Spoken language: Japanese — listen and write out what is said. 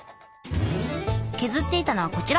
削っていたのはこちら！